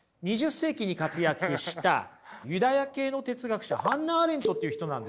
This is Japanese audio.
２０世紀に活躍したユダヤ系の哲学者ハンナ・アーレントっていう人なんですよ。